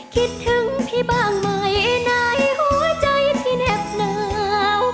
คิดถึงพี่บ้างไหมในหัวใจที่เหน็บหนาว